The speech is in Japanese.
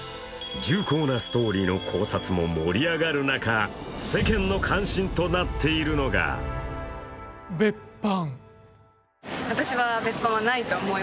重厚なストーリーの考察も盛り上がる中、世間の関心となっているのが別班。